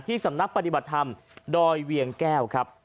สำนักปฏิบัติธรรมดอยเวียงแก้วครับ